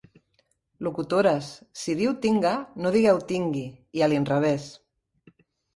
Locutores, si diu 'tinga' no digueu 'tingui', i a l'inrevès.